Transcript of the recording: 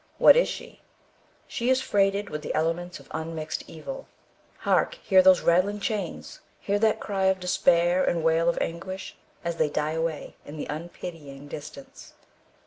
What is she? She is freighted with the elements of unmixed evil. Hark! hear those rattling chains, hear that cry of despair and wail of anguish, as they die away in the unpitying distance.